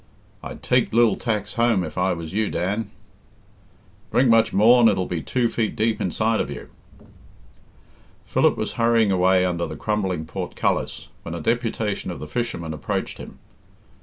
"I'd take lil tacks home if I was yourself, Dan." "Drink much more and it'll be two feet deep inside of you." Philip was hurrying away under the crumbling portcullis, when a deputation of the fishermen approached him.